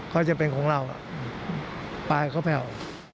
เขาจะเป็นของเราปลายเขาแผ่ว